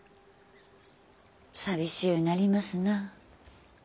寂しうなりますな。